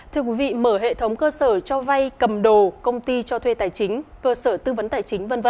thưa quý vị mở hệ thống cơ sở cho vay cầm đồ công ty cho thuê tài chính cơ sở tư vấn tài chính v v